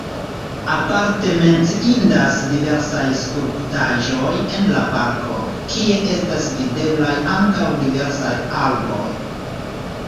Aparte menciindas diversaj skulptaĵoj en la parko, kie estas videblaj ankaŭ diversaj arboj.